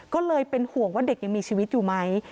ก็เลยเป็นห่วงว่าเด็กยังมีชีวิตอยู่ไหม